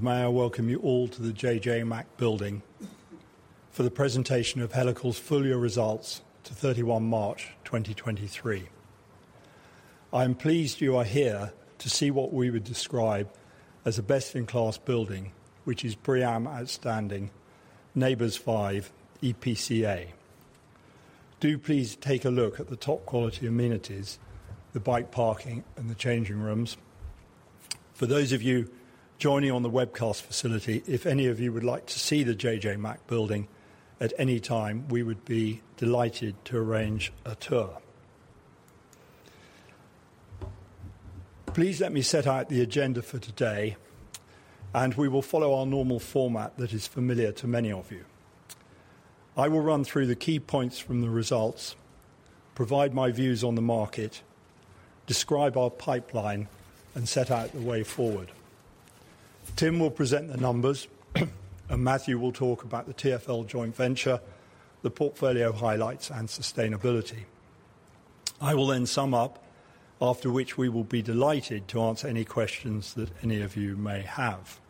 May I welcome you all to The JJ Mack Building for the presentation of Helical's full year results to March 31, 2023. I am pleased you are here to see what we would describe as a best-in-class building, which is BREEAM Outstanding, NABERS 5, EPC A. Do please take a look at the top quality amenities, the bike parking, and the changing rooms. For those of you joining on the webcast facility, if any of you would like to see The JJ Mack Building at any time, we would be delighted to arrange a tour. Please let me set out the agenda for today. We will follow our normal format that is familiar to many of you. I will run through the key points from the results, provide my views on the market, describe our pipeline, and set out the way forward. Tim will present the numbers. Matthew will talk about the TfL joint venture, the portfolio highlights and sustainability. I will sum up, after which we will be delighted to answer any questions that any of you may have.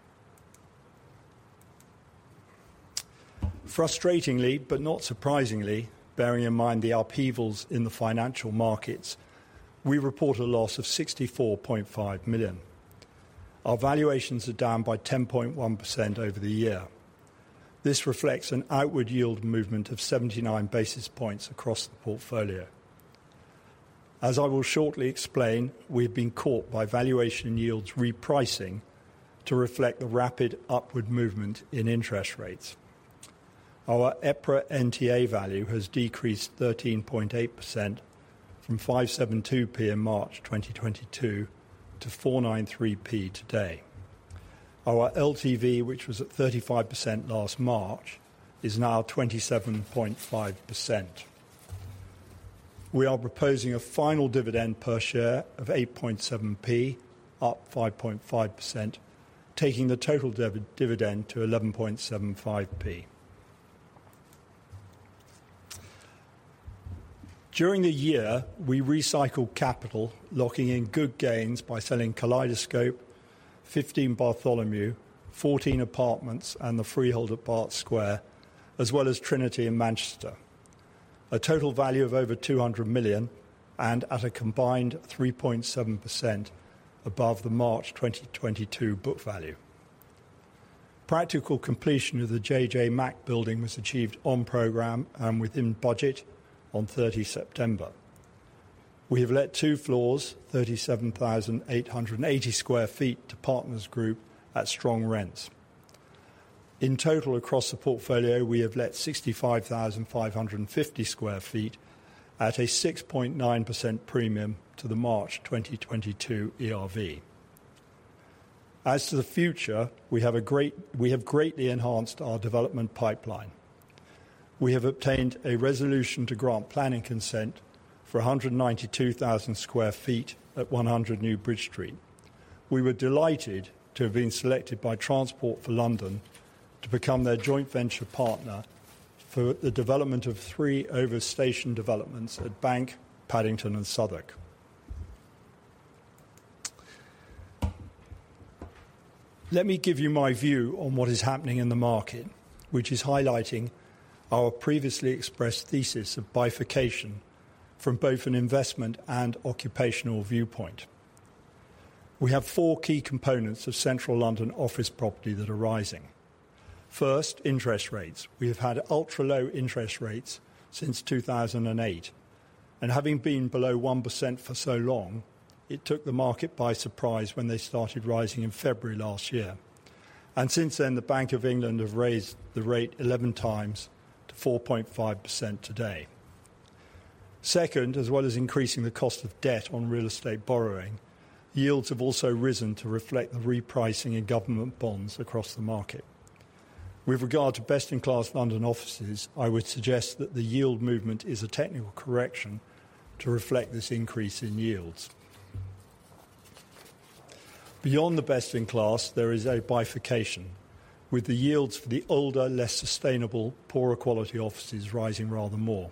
Frustratingly, not surprisingly, bearing in mind the upheavals in the financial markets, we report a loss of 64.5 million. Our valuations are down by 10.1% over the year. This reflects an outward yield movement of 79 basis points across the portfolio. As I will shortly explain, we've been caught by valuation yields repricing to reflect the rapid upward movement in interest rates. Our EPRA NTA value has decreased 13.8% from 5.72 in March 2022 to 4.93 today. Our LTV, which was at 35% last March, is now 27.5%. We are proposing a final dividend per share of 0.087, up 5.5%, taking the total dividend to 0.1175. During the year, we recycled capital, locking in good gains by selling Kaleidoscope, 15 Bartholomew, 14 apartments, and the freehold at Park Square, as well as Trinity in Manchester. A total value of over 200 million and at a combined 3.7% above the March 2022 book value. Practical completion of The JJ Mack Building was achieved on program and within budget on 30 September. We have let 2 floors, 37,880 sq ft to Partners Group at strong rents. In total across the portfolio, we have let 65,550 sq ft at a 6.9% premium to the March 2022 ERV. As to the future, we have greatly enhanced our development pipeline. We have obtained a resolution to grant planning consent for 192,000 sq ft at 100 New Bridge Street. We were delighted to have been selected by Transport for London to become their joint venture partner for the development of three overstation developments at Bank, Paddington and Southwark. Let me give you my view on what is happening in the market, which is highlighting our previously expressed thesis of bifurcation from both an investment and occupational viewpoint. We have four key components of Central London office property that are rising. First, interest rates. We have had ultra-low interest rates since 2008, and having been below 1% for so long, it took the market by surprise when they started rising in February last year. Since then, the Bank of England have raised the rate 11x to 4.5% today. Second, as well as increasing the cost of debt on real estate borrowing, yields have also risen to reflect the repricing in government bonds across the market. With regard to best in class London offices, I would suggest that the yield movement is a technical correction to reflect this increase in yields. Beyond the best in class, there is a bifurcation with the yields for the older, less sustainable, poorer quality offices rising rather more.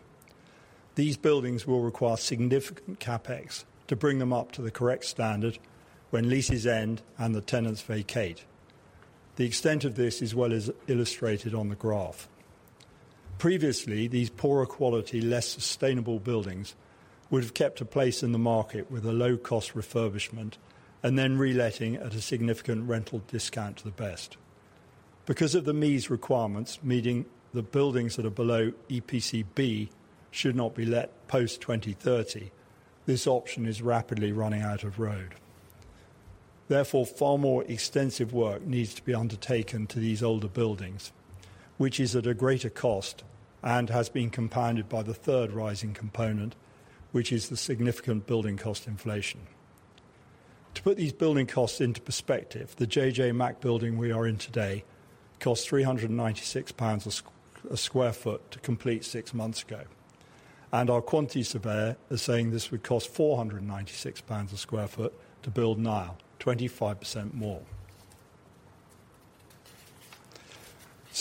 These buildings will require significant CapEx to bring them up to the correct standard when leases end and the tenants vacate. The extent of this is well illustrated on the graph. Previously, these poorer quality, less sustainable buildings would have kept a place in the market with a low-cost refurbishment and then reletting at a significant rental discount to the best. Because of the MEES requirements, meaning the buildings that are below EPC B should not be let post-2030, this option is rapidly running out of road. Therefore, far more extensive work needs to be undertaken to these older buildings, which is at a greater cost and has been compounded by the third rising component, which is the significant building cost inflation. To put these building costs into perspective, The JJ Mack Building we are in today cost 396 pounds a square foot to complete six months ago, and our quantity surveyor is saying this would cost 496 pounds a square foot to build now, 25% more.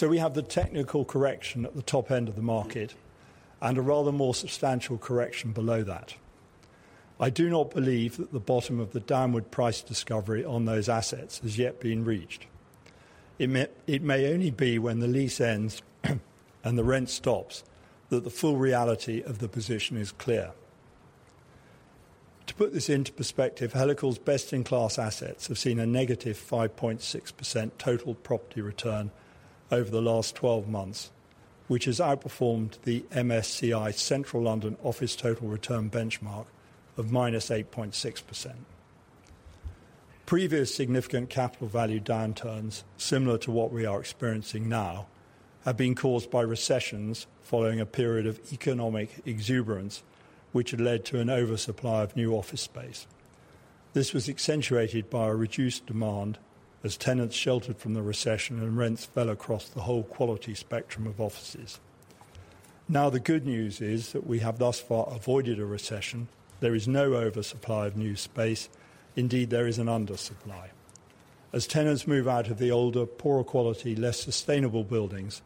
We have the technical correction at the top end of the market and a rather more substantial correction below that. I do not believe that the bottom of the downward price discovery on those assets has yet been reached. It may only be when the lease ends and the rent stops that the full reality of the position is clear. To put this into perspective, Helical's best-in-class assets have seen a -5.6% total property return over the last 12 months, which has outperformed the MSCI Central London Office total return benchmark of -8.6%. Previous significant capital value downturns similar to what we are experiencing now have been caused by recessions following a period of economic exuberance, which had led to an oversupply of new office space. This was accentuated by a reduced demand as tenants sheltered from the recession and rents fell across the whole quality spectrum of offices. The good news is that we have thus far avoided a recession. There is no oversupply of new space. Indeed, there is an undersupply. As tenants move out of the older, poorer quality, less sustainable buildings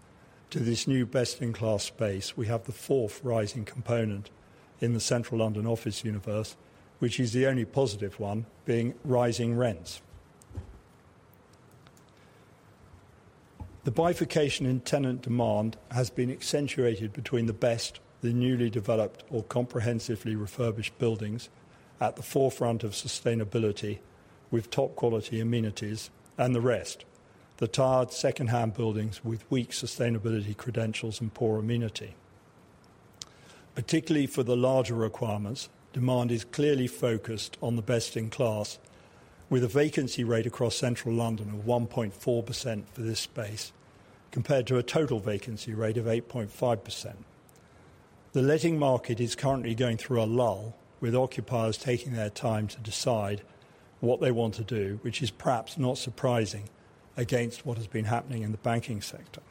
to this new best-in-class space, we have the fourth rising component in the Central London office universe, which is the only positive one being rising rents. The bifurcation in tenant demand has been accentuated between the best, the newly developed or comprehensively refurbished buildings at the forefront of sustainability with top-quality amenities and the rest, the tired second-hand buildings with weak sustainability credentials and poor amenity. Particularly for the larger requirements, demand is clearly focused on the best-in-class with a vacancy rate across Central London of 1.4% for this space compared to a total vacancy rate of 8.5%. The letting market is currently going through a lull, with occupiers taking their time to decide what they want to do, which is perhaps not surprising against what has been happening in the banking sector.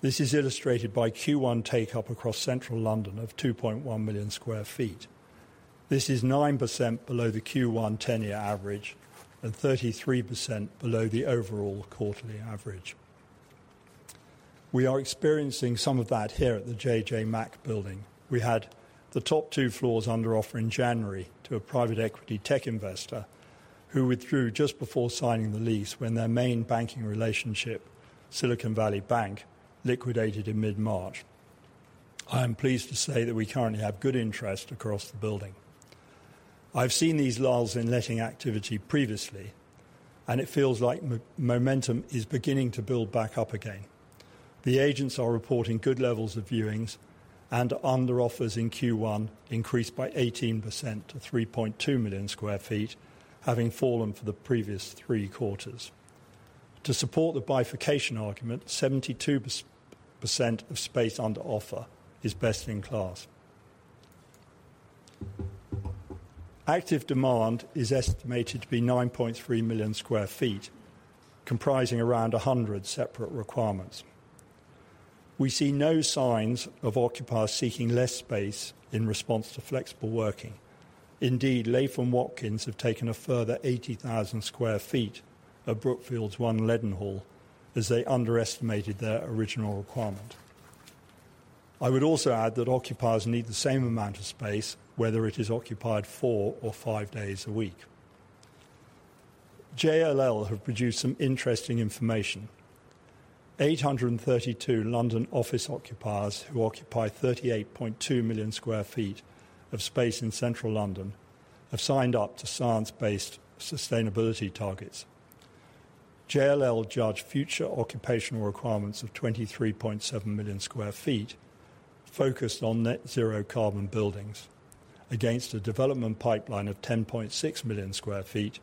This is illustrated by Q1 take up across central London of 2.1 million sq ft. This is 9% below the Q1 10-year average and 33% below the overall quarterly average. We are experiencing some of that here at The JJ Mack Building. We had the top two floors under offer in January to a private equity tech investor who withdrew just before signing the lease when their main banking relationship, Silicon Valley Bank, liquidated in mid-March. I am pleased to say that we currently have good interest across the building. It feels like momentum is beginning to build back up again. The agents are reporting good levels of viewings and under offers in Q1 increased by 18% to 3.2 million sq ft, having fallen for the previous three quarters. To support the bifurcation argument, 72% of space under offer is best in class. Active demand is estimated to be 9.3 million sq ft, comprising around 100 separate requirements. We see no signs of occupiers seeking less space in response to flexible working. Indeed, Latham & Watkins have taken a further 80,000 sq ft at Brookfield's One Leadenhall as they underestimated their original requirement. I would also add that occupiers need the same amount of space, whether it is occupied four or five days a week. JLL have produced some interesting information. 832 London office occupiers who occupy 38.2 million sq ft of space in central London have signed up to science-based sustainability targets. JLL judge future occupational requirements of 23.7 million sq ft focused on net zero carbon buildings against a development pipeline of 10.6 million sq ft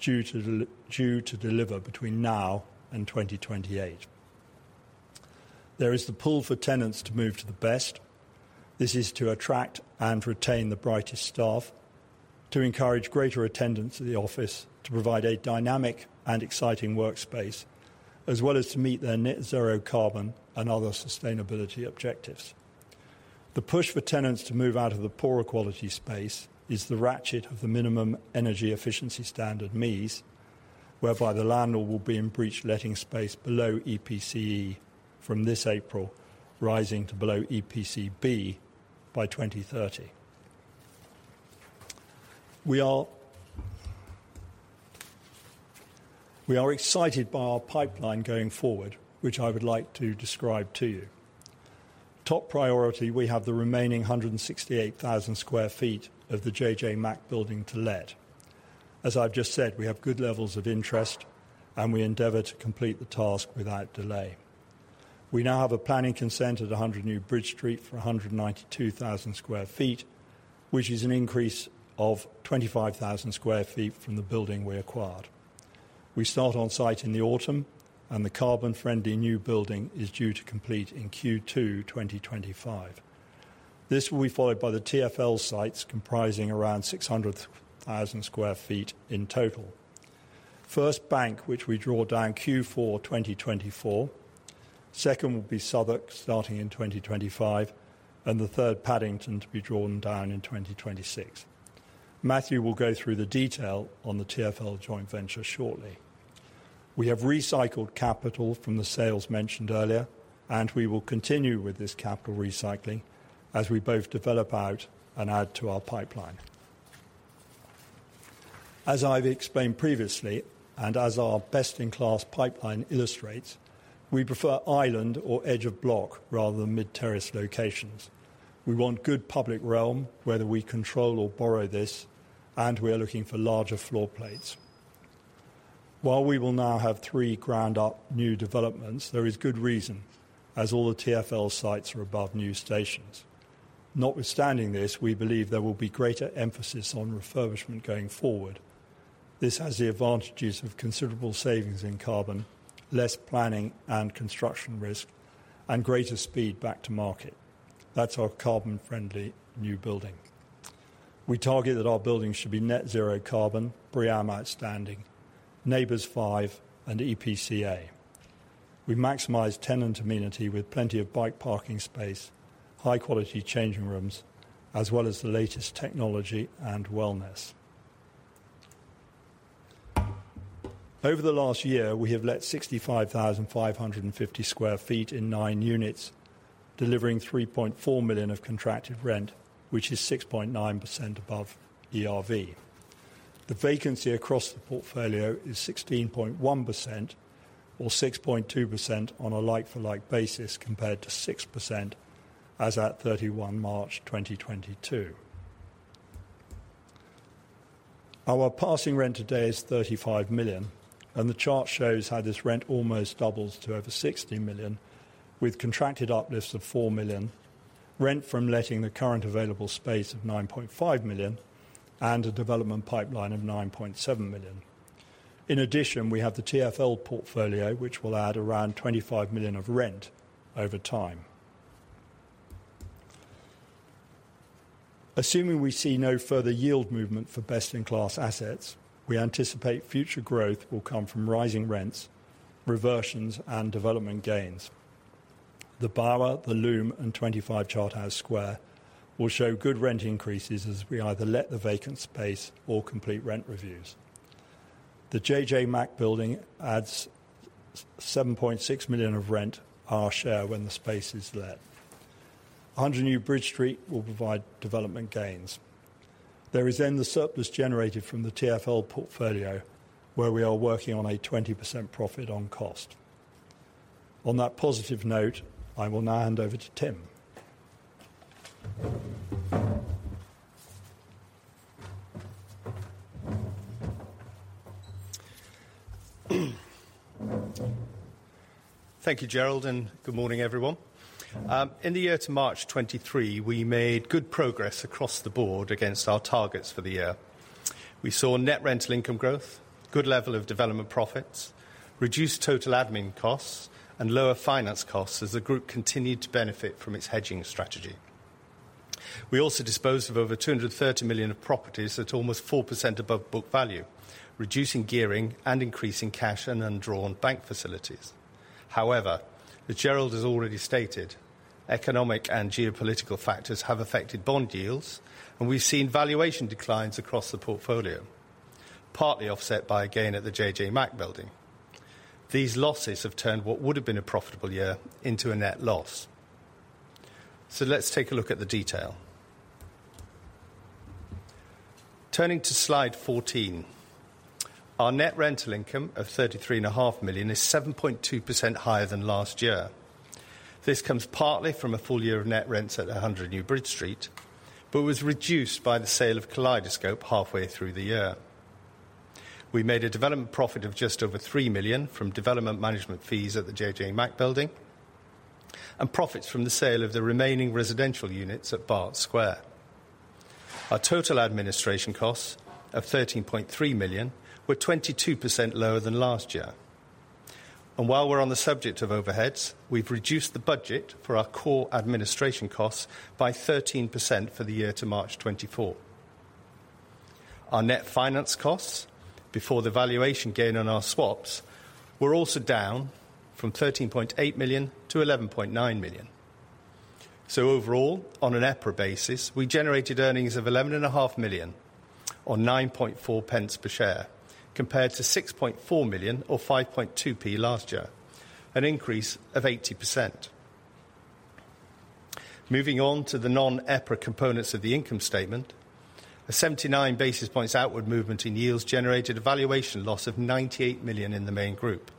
due to deliver between now and 2028. There is the pull for tenants to move to the best. This is to attract and retain the brightest staff, to encourage greater attendance at the office, to provide a dynamic and exciting workspace, as well as to meet their net zero carbon and other sustainability objectives. The push for tenants to move out of the poorer quality space is the ratchet of the minimum energy efficiency standard, MEES, whereby the landlord will be in breach letting space below EPC E from this April, rising to below EPC B by 2030. We are excited by our pipeline going forward, which I would like to describe to you. Top priority, we have the remaining 168,000 sq ft of The JJ Mack Building to let. As I've just said, we have good levels of interest and we endeavor to complete the task without delay. We now have a planning consent at 100 New Bridge Street for 192,000 sq ft, which is an increase of 25,000 sq ft from the building we acquired. We start on site in the autumn and the carbon-friendly new building is due to complete in Q2 2025. This will be followed by the TfL sites comprising around 600,000 sq ft in total. First Bank, which we draw down Q4 2024. Second will be Southwark starting in 2025, and the third Paddington to be drawn down in 2026. Matthew will go through the detail on the TfL joint venture shortly. We have recycled capital from the sales mentioned earlier, and we will continue with this capital recycling as we both develop out and add to our pipeline. As I've explained previously, and as our best-in-class pipeline illustrates, we prefer island or edge of block rather than mid-terrace locations. We want good public realm, whether we control or borrow this, and we are looking for larger floor plates. While we will now have 3 ground up new developments, there is good reason as all the TfL sites are above new stations. Notwithstanding this, we believe there will be greater emphasis on refurbishment going forward. This has the advantages of considerable savings in carbon, less planning and construction risk, and greater speed back to market. That's our carbon friendly new building. We target that our buildings should be net zero carbon, BREEAM Outstanding, NABERS 5, and EPC A. We maximize tenant amenity with plenty of bike parking space, high-quality changing rooms, as well as the latest technology and wellness. Over the last year, we have let 65,550 sq ft in 9 units, delivering 3.4 million of contracted rent, which is 6.9% above ERV. The vacancy across the portfolio is 16.1% or 6.2% on a like-for-like basis, compared to 6% as at 31 March 2022. Our passing rent today is 35 million, and the chart shows how this rent almost doubles to over 60 million with contracted uplifts of 4 million, rent from letting the current available space of 9.5 million and a development pipeline of 9.7 million. In addition, we have the TfL portfolio, which will add around 25 million of rent over time. Assuming we see no further yield movement for best in class assets, we anticipate future growth will come from rising rents, reversions, and development gains. The Bower, The Loom, and 25 Charterhouse Square will show good rent increases as we either let the vacant space or complete rent reviews. The JJ Mack Building adds 7.6 million of rent, our share when the space is let. 100 New Bridge Street will provide development gains. There is the surplus generated from the TfL portfolio, where we are working on a 20% profit on cost. On that positive note, I will now hand over to Tim. Thank you, Gerald, good morning, everyone. In the year to March 2023, we made good progress across the board against our targets for the year. We saw net rental income growth, good level of development profits, reduced total admin costs, and lower finance costs as the group continued to benefit from its hedging strategy. We also disposed of over 230 million of properties at almost 4% above book value, reducing gearing and increasing cash and undrawn bank facilities. As Gerald has already stated, economic and geopolitical factors have affected bond yields, and we've seen valuation declines across the portfolio, partly offset by a gain at the JJ Mack Building. These losses have turned what would have been a profitable year into a net loss. Let's take a look at the detail. Turning to slide 14. Our net rental income of thirty-three and a half million is 7.2% higher than last year. This comes partly from a full year of net rents at 100 New Bridge Street, but was reduced by the sale of Kaleidoscope halfway through the year. We made a development profit of just over 3 million from development management fees at The JJ Mack Building and profits from the sale of the remaining residential units at Barts Square. Our total administration costs of 13.3 million were 22% lower than last year. While we're on the subject of overheads, we've reduced the budget for our core administration costs by 13% for the year to March 2024. Our net finance costs before the valuation gain on our swaps were also down from 13.8 million to 11.9 million. Overall, on an EPRA basis, we generated earnings of 11.5 million or 0.094 per share, compared to 6.4 million or 0.052 last year, an increase of 80%. Moving on to the non-EPRA components of the income statement. A 79 basis points outward movement in yields generated a valuation loss of 98 million in the main group,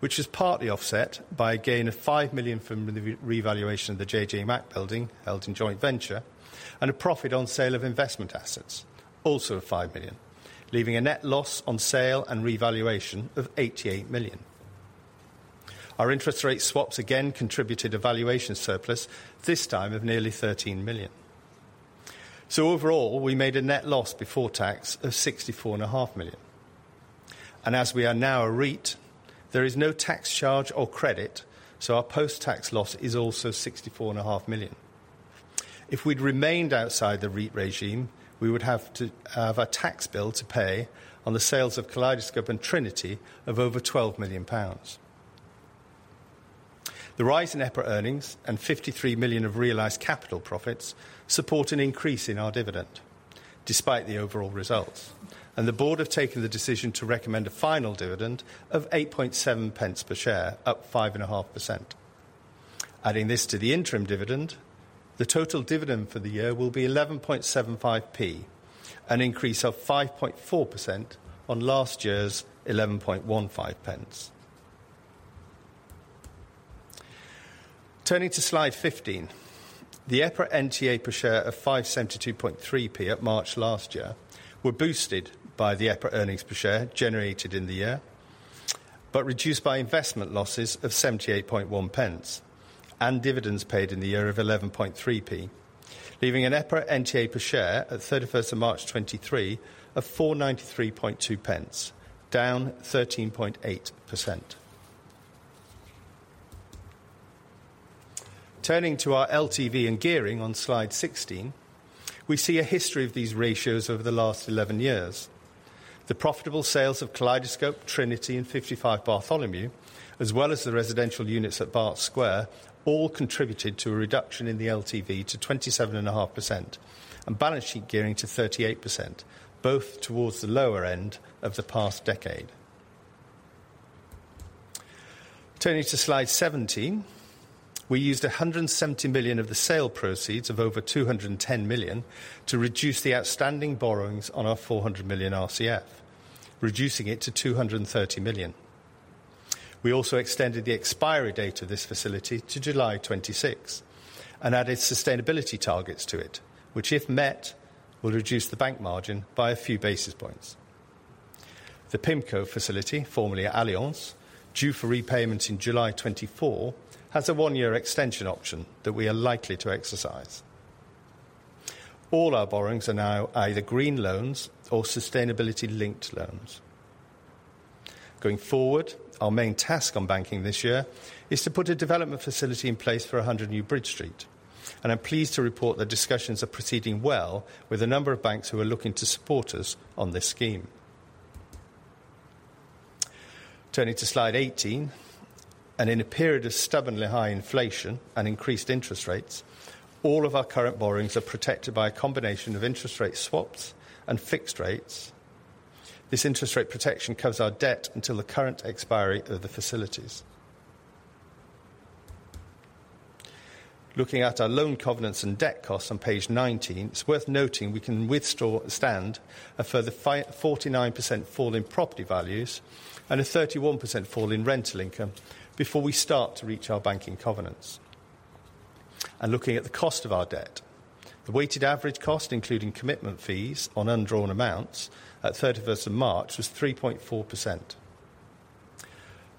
which is partly offset by a gain of 5 million from the revaluation of The JJ Mack Building, held in joint venture, and a profit on sale of investment assets, also of 5 million, leaving a net loss on sale and revaluation of 88 million. Our interest rate swaps again contributed a valuation surplus this time of nearly GBP 13 million. Overall, we made a net loss before tax of GBP 64.5 million. As we are now a REIT, there is no tax charge or credit. Our post-tax loss is also 64 and a half million. If we'd remained outside the REIT regime, we would have to have a tax bill to pay on the sales of Kaleidoscope and Trinity of over 12 million pounds. The rise in EPRA earnings and 53 million of realized capital profits support an increase in our dividend despite the overall results. The board have taken the decision to recommend a final dividend of 8.7 pence per share, up 5.5%. Adding this to the interim dividend, the total dividend for the year will be 11.75 p, an increase of 5.4% on last year's 11.15 pence. Turning to slide 15, the EPRA NTA per share of 572.3 p at March last year were boosted by the EPRA earnings per share generated in the year, but reduced by investment losses of 78.1 pence and dividends paid in the year of 11.3 p, leaving an EPRA NTA per share at 31st of March 2023 of 493.2 pence, down 13.8%. Turning to our LTV and gearing on slide 16, we see a history of these ratios over the last 11 years. The profitable sales of Kaleidoscope, Trinity, and 55 Bartholomew, as well as the residential units at Barts Square, all contributed to a reduction in the LTV to 27.5% and balance sheet gearing to 38%, both towards the lower end of the past decade. Turning to slide 17, we used 170 million of the sale proceeds of over 210 million to reduce the outstanding borrowings on our 400 million RCF, reducing it to 230 million. We also extended the expiry date of this facility to July 2026 and added sustainability targets to it, which if met, will reduce the bank margin by a few basis points. The PIMCO facility, formerly Allianz, due for repayment in July 2024, has a 1-year extension option that we are likely to exercise. All our borrowings are now either green loans or sustainability-linked loans. Going forward, our main task on banking this year is to put a development facility in place for 100 New Bridge Street. I'm pleased to report that discussions are proceeding well with a number of banks who are looking to support us on this scheme. Turning to slide 18, in a period of stubbornly high inflation and increased interest rates, all of our current borrowings are protected by a combination of interest rate swaps and fixed rates. This interest rate protection covers our debt until the current expiry of the facilities. Looking at our loan covenants and debt costs on page 19, it's worth noting we can stand a further 49% fall in property values and a 31% fall in rental income before we start to reach our banking covenants. Looking at the cost of our debt, the weighted average cost, including commitment fees on undrawn amounts at 31st of March was 3.4%.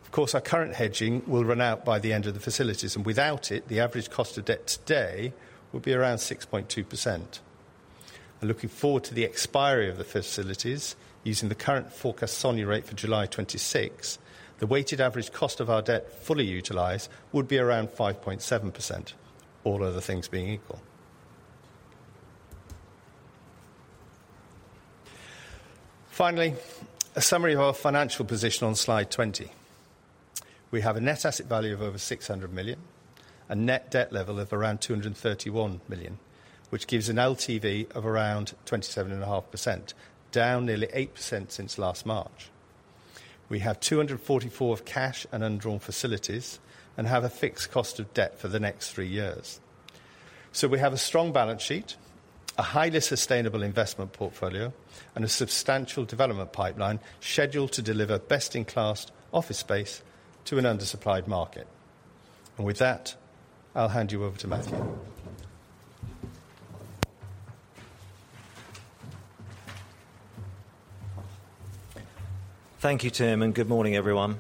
Of course, our current hedging will run out by the end of the facilities, and without it, the average cost of debt today would be around 6.2%. Looking forward to the expiry of the facilities using the current forecast SONIA rate for July 2026, the weighted average cost of our debt fully utilized would be around 5.7%, all other things being equal. Finally, a summary of our financial position on slide 20. We have a net asset value of over 600 million, a net debt level of around 231 million, which gives an LTV of around 27.5%, down nearly 8% since last March. We have 244 of cash and undrawn facilities and have a fixed cost of debt for the next three years. We have a strong balance sheet, a highly sustainable investment portfolio, and a substantial development pipeline scheduled to deliver best-in-class office space to an undersupplied market. With that, I'll hand you over to Matthew. Thank you, Tim. Good morning, everyone.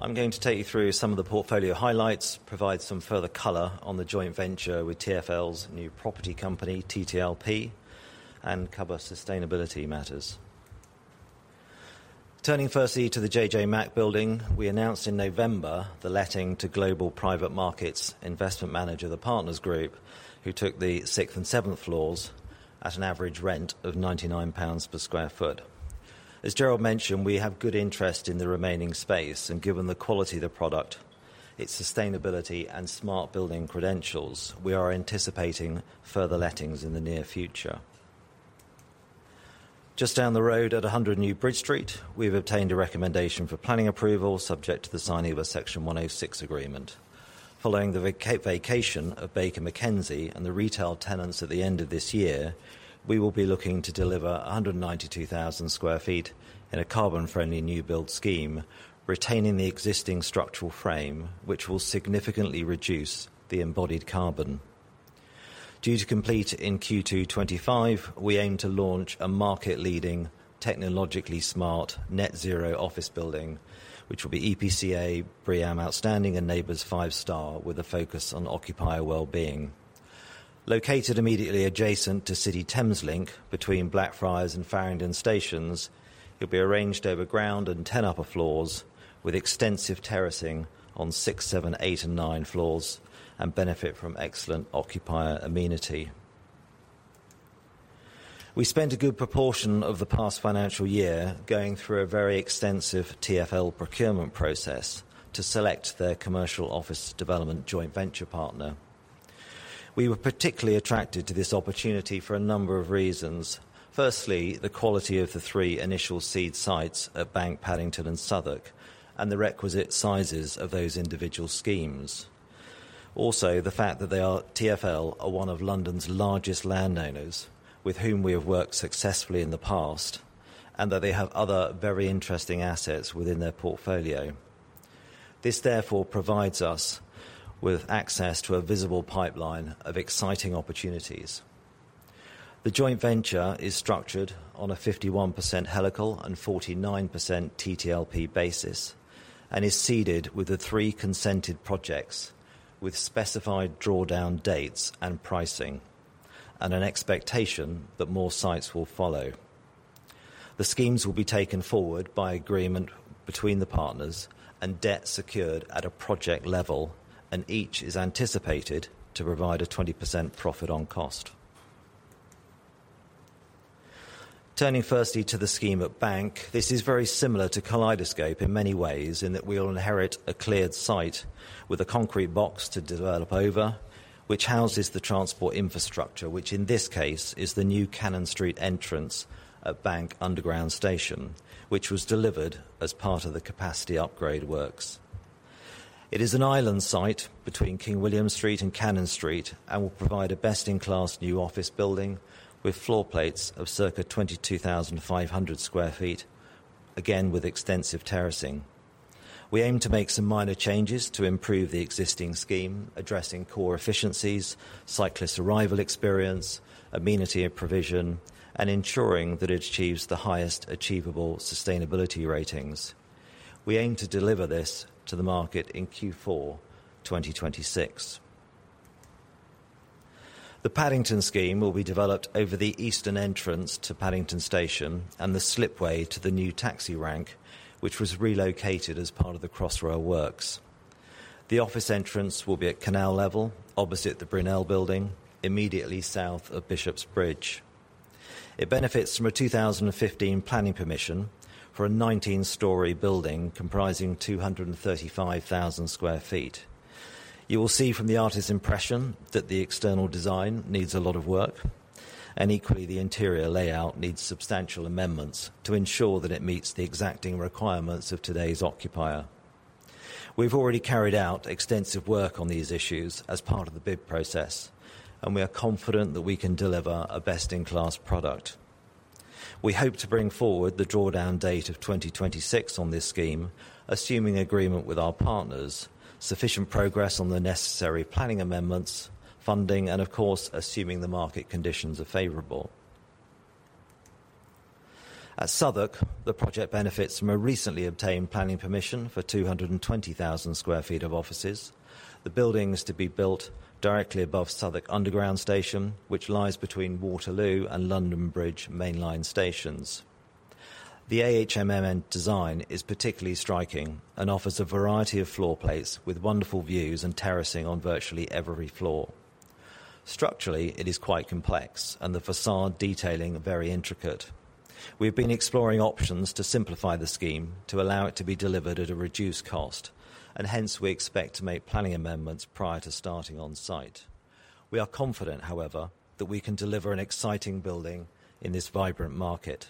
I'm going to take you through some of the portfolio highlights, provide some further color on the joint venture with TfL's new property company, TTLP. Cover sustainability matters. Turning firstly to The JJ Mack Building, we announced in November the letting to global private markets investment manager, the Partners Group, who took the 6th and 7th floors at an average rent of 99 pounds per sq ft. As Gerald mentioned, we have good interest in the remaining space. Given the quality of the product, its sustainability and smart building credentials, we are anticipating further lettings in the near future. Just down the road at 100 New Bridge Street, we've obtained a recommendation for planning approval subject to the signing of a Section 106 agreement. Following the vacation of Baker McKenzie and the retail tenants at the end of this year, we will be looking to deliver 192,000 sq ft in a carbon-friendly new build scheme, retaining the existing structural frame, which will significantly reduce the embodied carbon. Due to complete in Q2 2025, we aim to launch a market-leading, technologically smart net zero office building, which will be EPC A BREEAM outstanding and NABERS 5-star with a focus on occupier wellbeing. Located immediately adjacent to City Thameslink between Blackfriars and Farringdon stations, it'll be arranged over ground and 10 upper floors with extensive terracing on six, seven, eight, and nine floors and benefit from excellent occupier amenity. We spent a good proportion of the past financial year going through a very extensive TfL procurement process to select their commercial office development joint venture partner. We were particularly attracted to this opportunity for a number of reasons. Firstly, the quality of the three initial seed sites at Bank, Paddington, and Southwark, and the requisite sizes of those individual schemes. Also, the fact that TfL are one of London's largest landowners with whom we have worked successfully in the past, and that they have other very interesting assets within their portfolio. This therefore provides us with access to a visible pipeline of exciting opportunities. The joint venture is structured on a 51% Helical and 49% TTLP basis and is seeded with the three consented projects with specified drawdown dates and pricing, and an expectation that more sites will follow. The schemes will be taken forward by agreement between the partners and debt secured at a project level, and each is anticipated to provide a 20% profit on cost. Turning firstly to the scheme at Bank, this is very similar to Kaleidoscope in many ways in that we will inherit a cleared site with a concrete box to develop over, which houses the transport infrastructure, which in this case is the new Cannon Street entrance at Bank Underground station, which was delivered as part of the capacity upgrade works. It is an island site between King William Street and Cannon Street and will provide a best-in-class new office building with floor plates of circa 22,500 sq ft, again with extensive terracing. We aim to make some minor changes to improve the existing scheme, addressing core efficiencies, cyclist arrival experience, amenity provision, and ensuring that it achieves the highest achievable sustainability ratings. We aim to deliver this to the market in Q4 2026. The Paddington scheme will be developed over the eastern entrance to Paddington Station and the slipway to the new taxi rank, which was relocated as part of the Crossrail works. The office entrance will be at canal level opposite the Brunel Building, immediately south of Bishops Bridge. It benefits from a 2015 planning permission for a 19-story building comprising 235,000 sq ft. You will see from the artist's impression that the external design needs a lot of work. Equally, the interior layout needs substantial amendments to ensure that it meets the exacting requirements of today's occupier. We've already carried out extensive work on these issues as part of the bid process. We are confident that we can deliver a best-in-class product. We hope to bring forward the drawdown date of 2026 on this scheme, assuming agreement with our partners, sufficient progress on the necessary planning amendments, funding, and of course, assuming the market conditions are favorable. At Southwark, the project benefits from a recently obtained planning permission for 220,000 sq ft of offices. The building is to be built directly above Southwark Underground station, which lies between Waterloo and London Bridge mainline stations. The AHMM design is particularly striking and offers a variety of floor plates with wonderful views and terracing on virtually every floor. Structurally, it is quite complex and the facade detailing very intricate. We've been exploring options to simplify the scheme to allow it to be delivered at a reduced cost, and hence we expect to make planning amendments prior to starting on-site. We are confident, however, that we can deliver an exciting building in this vibrant market.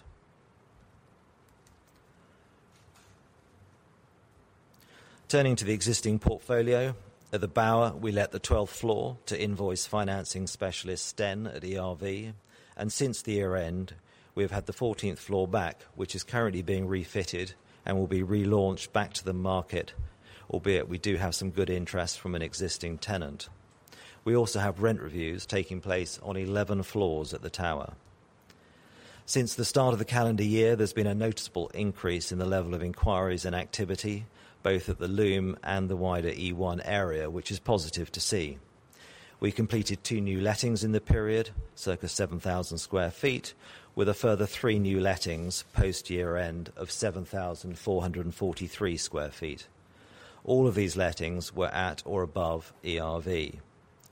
Turning to the existing portfolio. At The Bower, we let the 12th floor to invoice financing specialist Stenn at ERV, and since the year-end, we've had the 14th floor back, which is currently being refitted and will be relaunched back to the market, albeit we do have some good interest from an existing tenant. We also have rent reviews taking place on 11 floors at the tower. Since the start of the calendar year, there's been a noticeable increase in the level of inquiries and activity, both at The Loom and the wider E1 area, which is positive to see. We completed two new lettings in the period, circa 7,000 sq ft, with a further three new lettings post-year-end of 7,443 sq ft. All of these lettings were at or above ERV.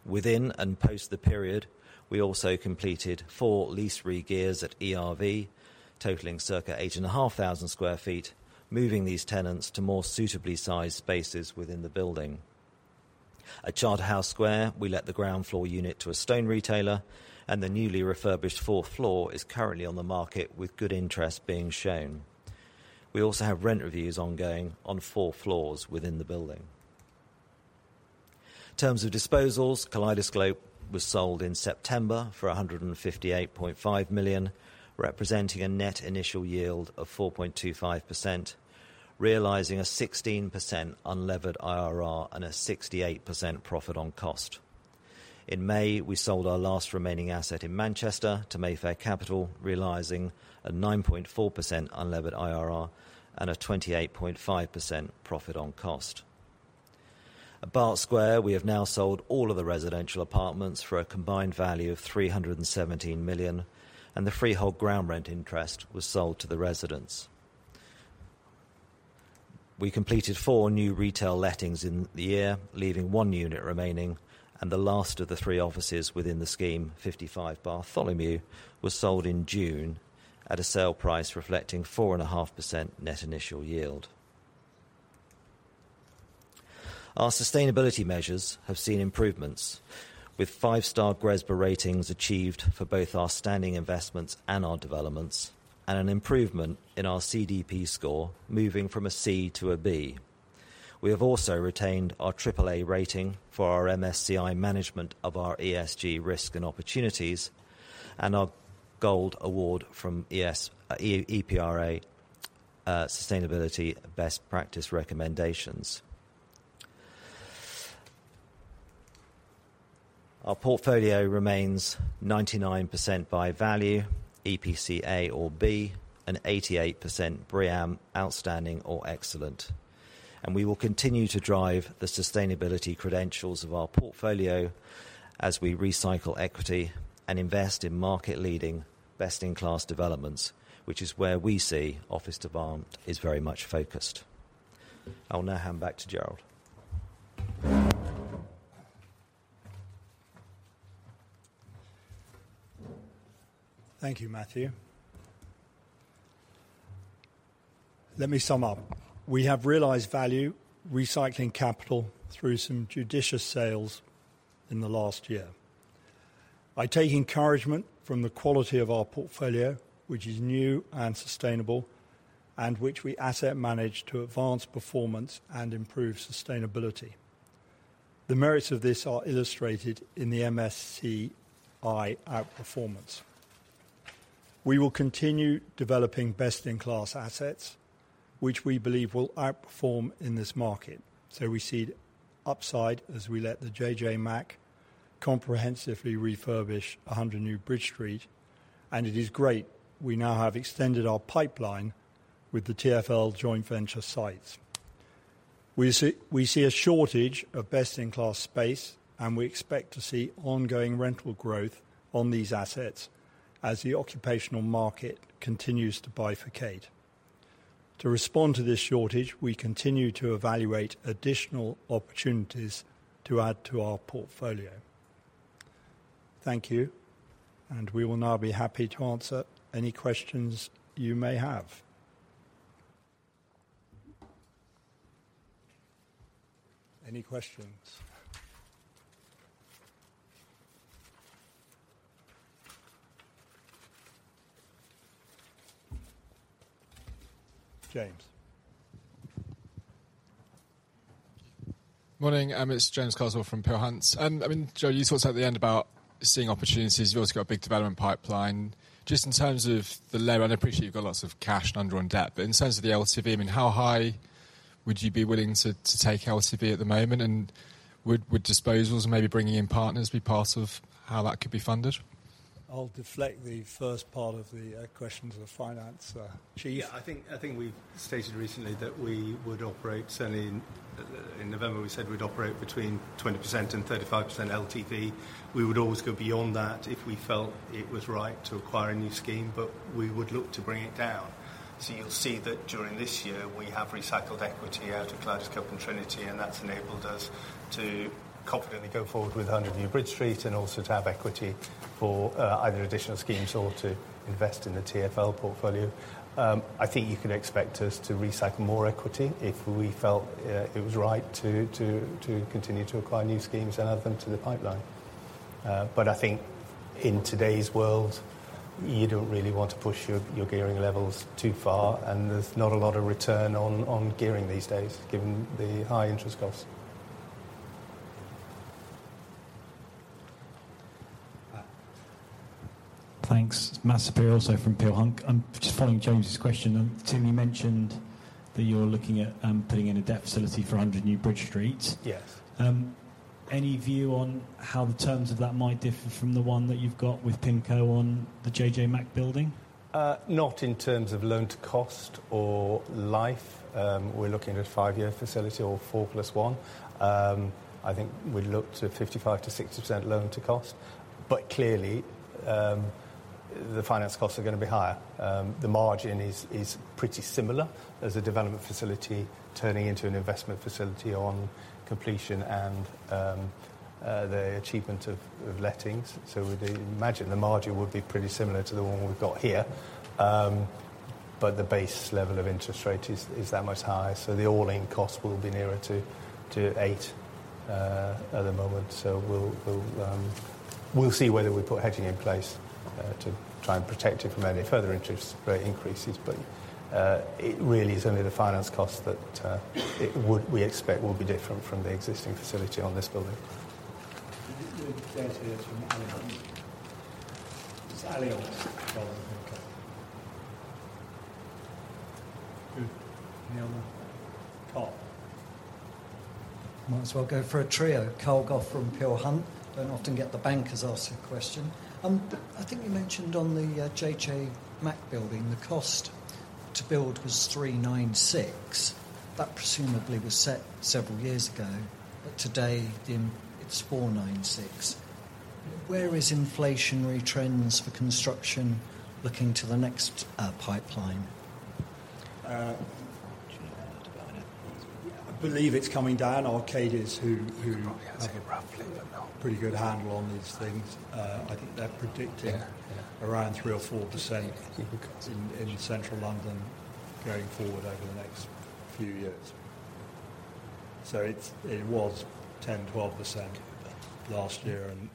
Within and post the period, we also completed four lease re-gears at ERV, totaling circa 8,500 sq ft, moving these tenants to more suitably sized spaces within the building. At Charterhouse Square, we let the ground floor unit to a stone retailer, and the newly refurbished fourth floor is currently on the market with good interest being shown. We also have rent reviews ongoing on four floors within the building. In terms of disposals, Kaleidoscope was sold in September for 158.5 million, representing a net initial yield of 4.25%, realizing a 16% unlevered IRR and a 68% profit on cost. In May, we sold our last remaining asset in Manchester to Mayfair Capital, realizing a 9.4% unlevered IRR and a 28.5% profit on cost. At Barts Square, we have now sold all of the residential apartments for a combined value of 317 million, and the freehold ground rent interest was sold to the residents. We completed four new retail lettings in the year, leaving one unit remaining, and the last of the three offices within the scheme, 55 Bartholomew, was sold in June at a sale price reflecting four and a half percent net initial yield. Our sustainability measures have seen improvements, with 5-star GRESB ratings achieved for both our standing investments and our developments, and an improvement in our CDP score, moving from a C to a B. We have also retained our AAA rating for our MSCI management of our ESG risk and opportunities, and our gold award from EPRA sustainability best practice recommendations. Our portfolio remains 99% by value, EPC A or B, and 88% BREEAM Outstanding or Excellent. We will continue to drive the sustainability credentials of our portfolio as we recycle equity and invest in market-leading best-in-class developments, which is where we see office demand is very much focused. I'll now hand back to Gerald. Thank you, Matthew. Let me sum up. We have realized value recycling capital through some judicious sales in the last year. By taking encouragement from the quality of our portfolio, which is new and sustainable, and which we asset manage to advance performance and improve sustainability. The merits of this are illustrated in the MSCI outperformance. We will continue developing best-in-class assets, which we believe will outperform in this market. We see upside as we let the JJ Mack comprehensively refurbish 100 New Bridge Street, and it is great we now have extended our pipeline with the TfL joint venture sites. We see a shortage of best-in-class space, and we expect to see ongoing rental growth on these assets as the occupational market continues to bifurcate. To respond to this shortage, we continue to evaluate additional opportunities to add to our portfolio. Thank you, and we will now be happy to answer any questions you may have. Any questions? James. Morning. It's James Carswell from Peel Hunt. I mean, Gerald, you talked at the end about seeing opportunities. You've also got a big development pipeline. Just in terms of the lever, and I appreciate you've got lots of cash and under on debt, but in terms of the LTV, I mean, how high would you be willing to take LTV at the moment, and would disposals and maybe bringing in partners be part of how that could be funded? I'll deflect the first part of the question to the Finance Chief. We've stated recently that we would operate certainly in November, we said we'd operate between 20% and 35% LTV. We would always go beyond that if we felt it was right to acquire a new scheme, but we would look to bring it down. You'll see that during this year we have recycled equity out of Kaleidoscope and Trinity, and that's enabled us to confidently go forward with 100 New Bridge Street and also to have equity for either additional schemes or to invest in the TfL portfolio. I think you can expect us to recycle more equity if we felt it was right to continue to acquire new schemes and add them to the pipeline. I think in today's world, you don't really want to push your gearing levels too far, and there's not a lot of return on gearing these days given the high interest costs. Thanks. Matt Saperia also from Peel Hunt. just following James' question. Tim, you mentioned that you're looking at putting in a debt facility for 100 New Bridge Street. Yes. Any view on how the terms of that might differ from the one that you've got with PIMCO on The JJ Mack Building? Not in terms of loan to cost or life. We're looking at a five-year facility or four plus one. I think we look to 55%-60% loan to cost, but clearly, the finance costs are gonna be higher. The margin is pretty similar as a development facility turning into an investment facility on completion and the achievement of lettings. We'd imagine the margin would be pretty similar to the one we've got here. The base level of interest rate is that much higher, the all-in cost will be nearer to eight at the moment. We'll see whether we put hedging in place to try and protect it from any further interest rate increases. It really is only the finance cost that we expect will be different from the existing facility on this building. I think the next bit is from Ali Hunt. Is Ali on this call, I think? Good. Any other? Carl. Might as well go for a trio. Carl Gough from Peel Hunt. Don't often get the bankers asking question. I think you mentioned on The JJ Mack Building, the cost to build was 396. That presumably was set several years ago. Today, it's 496. Where is inflationary trends for construction looking to the next pipeline? I believe it's coming down. Arcadis, who have a pretty good handle on these things, I think they're predicting around 3% or 4% in Central London going forward over the next few years. It was 10%, 12% last year and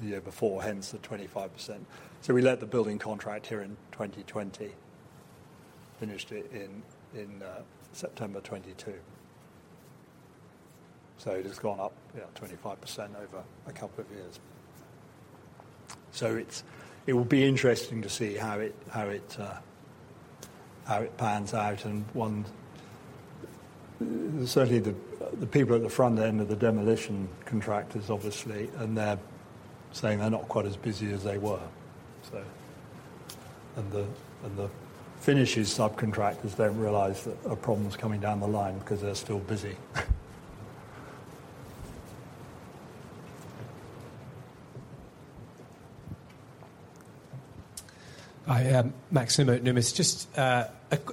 the year before, hence the 25%. We let the building contract here in 2020, finished it in September 2022. It has gone up, yeah, 25% over a couple of years. It will be interesting to see how it pans out. Certainly the people at the front end are the demolition contractors, obviously, and they're saying they're not quite as busy as they were, so. The finishes subcontractors don't realize that a problem's coming down the line because they're still busy. Hi. Max Nimmo at Numis. Just a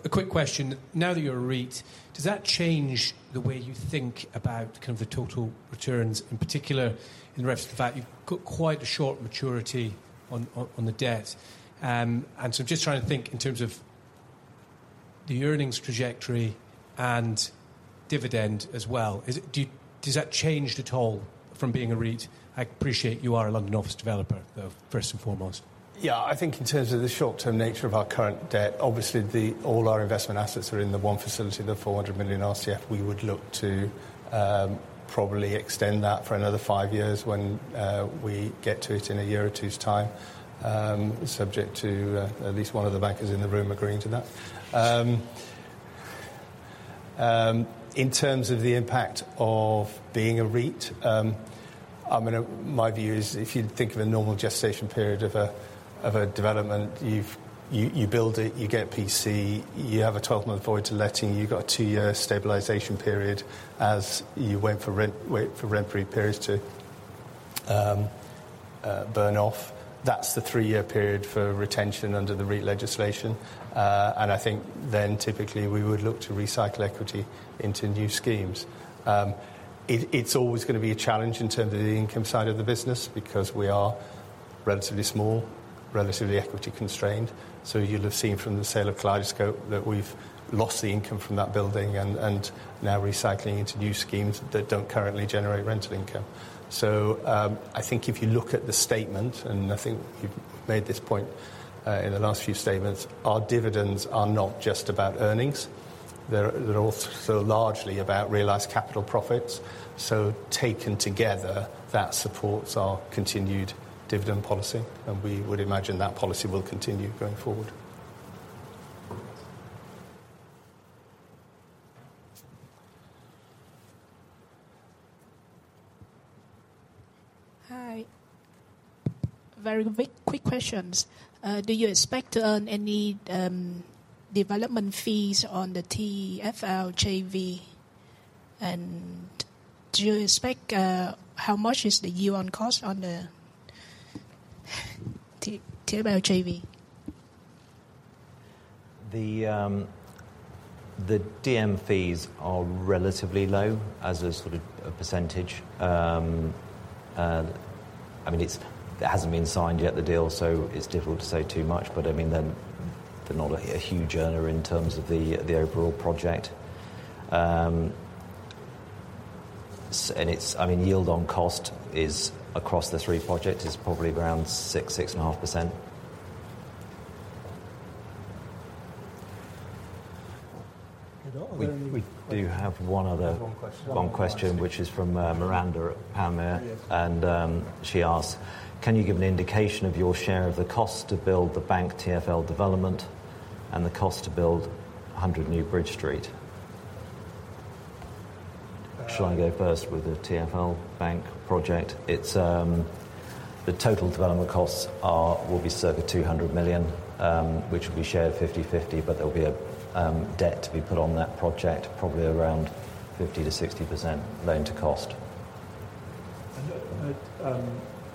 quick question. Now that you're a REIT, does that change the way you think about kind of the total returns, in particular in respect to the fact you've got quite a short maturity on the debt? I'm just trying to think in terms of the earnings trajectory and dividend as well. Does that change at all from being a REIT? I appreciate you are a London office developer, though, first and foremost. Yeah. I think in terms of the short-term nature of our current debt, obviously all our investment assets are in the one facility, the 400 million RCF. We would look to probably extend that for another five years when we get to it in a year or two's time, subject to at least one of the bankers in the room agreeing to that. I mean, in terms of the impact of being a REIT, my view is if you think of a normal gestation period of a development, you've, you build it, you get PC, you have a 12-month void to letting, you got a two-year stabilization period as you wait for rent-free periods to burn off. That's the three-year period for retention under the REIT legislation. I think then typically we would look to recycle equity into new schemes. It's always gonna be a challenge in terms of the income side of the business because we are relatively small, relatively equity constrained. You'll have seen from the sale of Kaleidoscope that we've lost the income from that building and now recycling into new schemes that don't currently generate rental income. I think if you look at the statement, and I think we've made this point in the last few statements, our dividends are not just about earnings. They're also largely about realized capital profits. Taken together, that supports our continued dividend policy, and we would imagine that policy will continue going forward. Hi. Very quick questions. Do you expect to earn any development fees on the TfL JV? How much is the yield on cost on the TfL JV? The DM fees are relatively low as a sort of a percentage. I mean, it hasn't been signed yet, the deal, so it's difficult to say too much. But, I mean, they're not a huge earner in terms of the overall project. I mean, yield on cost is, across the three projects, is probably around 6.5%. We do have one. One question. One question, which is from, Miranda at Panmure Gordon. Yes. She asks, "Can you give an indication of your share of the cost to build the bank TfL development and the cost to build 100 New Bridge Street? Shall I go first with the TfL bank project? It's the total development costs will be circa 200 million, which will be shared 50/50. There'll be a debt to be put on that project, probably around 50%-60% loan to cost. At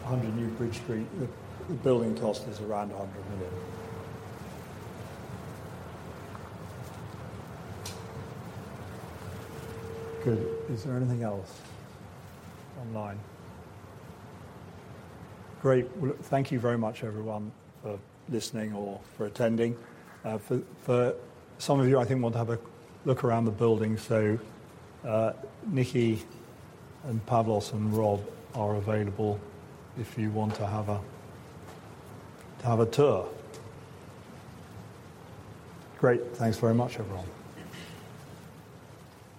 100 New Bridge Street, the building cost is around 100 million. Good. Is there anything else online? Great. Thank you very much everyone for listening or for attending. For some of you, I think, want to have a look around the building. Nikki and Pavlos and Rob are available if you want to have a tour. Great. Thanks very much everyone.